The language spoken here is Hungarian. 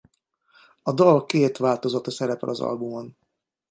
A dal két változata szerepel az albumon.